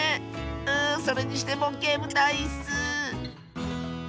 うそれにしてもけむたいッス。